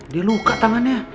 dia luka tangannya